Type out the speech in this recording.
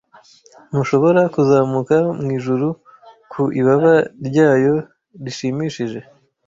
Ntushobora kuzamuka mu ijuru ku ibaba ryayo rishimishije?